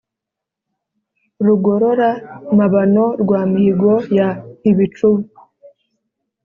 rugorora-mabano rwa mihigo ya mpibicuba